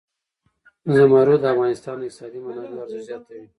زمرد د افغانستان د اقتصادي منابعو ارزښت زیاتوي.